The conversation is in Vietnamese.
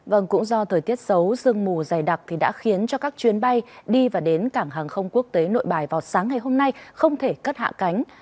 vâng cũng do thời tiết xấu sương mù dày đặc thì đã khiến cho các chuyến bay đi và đến cảng hàng không quốc tế nội bài vào sáng ngày hôm nay không thể cất hạ cánh